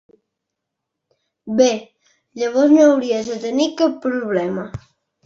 Bé, llavors no hauries de tenir cap problema.